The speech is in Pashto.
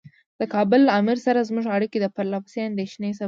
د کابل له امیر سره زموږ اړیکې د پرله پسې اندېښنې سبب دي.